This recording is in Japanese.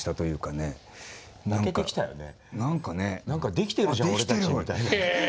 できてるじゃん俺たちみたいな。